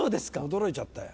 驚いちゃったよ。